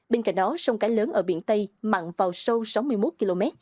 bên cạnh đó sông cái lớn ở biển tây mặn vào sâu sáu mươi một km